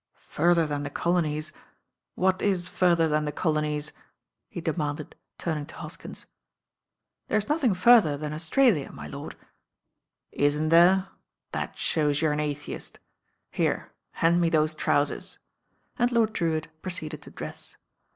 Further than the colonies. What is further than uSL "'"^ he demanded, turning to Hoskins. lord'' '^^"*'"^*'"" Australia, my "Isn't there? That shows you're an atheist. Were, hand me those trousers," and Lord Drewitt proceeded to dress.